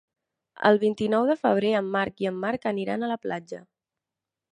El vint-i-nou de febrer en Marc i en Marc aniran a la platja.